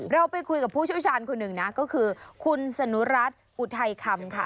เราไปคุยกับผู้เชี่ยวชาญคนหนึ่งนะก็คือคุณสนุรัติอุทัยคำค่ะ